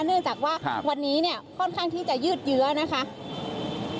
เนื่องจากว่าวันนี้เนี่ยค่อนข้างที่จะยืดเยื้อนะคะ